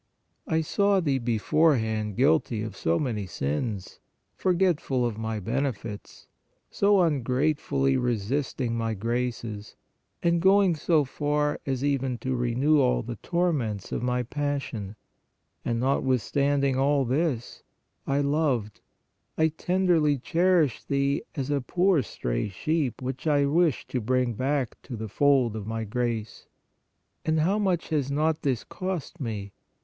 " I saw thee beforehand guilty of so many sins, forgetful of My benefits, so ungratefully resisting My graces, and going so far as even to renew all the torments of My passion! And notwithstand ing all this, I loved, I tenderly cherished thee as a poor stray sheep which I wished to bring back to the fold of My grace. And how much has not this cost Me?